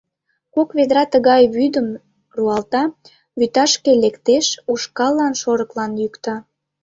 Кок ведра тыгай вӱдым руалта, вӱташке лектеш, ушкаллан, шорыклан йӱкта.